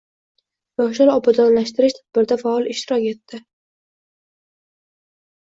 Yoshlar obodonlashtirish tadbirida faol ishtirok etding